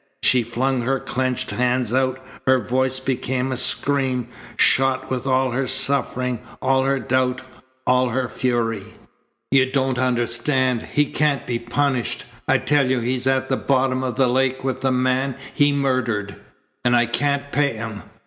She flung her clenched hands out. Her voice became a scream, shot with all her suffering, all her doubt, all her fury. "You don't understand. He can't be punished. I tell you he's at the bottom of the lake with the man he murdered. And I can't pay him.